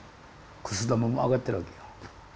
くす玉も上がってるわけよ。